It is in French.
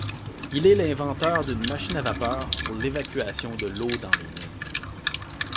Il est l'inventeur d'une machine à vapeur pour l'évacuation de l'eau dans les mines.